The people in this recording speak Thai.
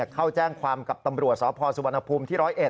เข้าแจ้งความกับตำรวจสพสุวรรณภูมิที่๑๐๑